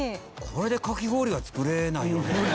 これでかき氷は作れないよね。